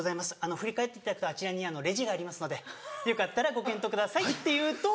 振り返っていただくとあちらにレジがありますのでよかったらご検討ください」って言うと。